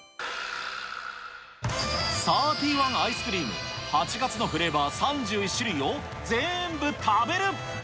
サーティワンアイスクリーム、８月のフレーバー３１種類を全部食べる！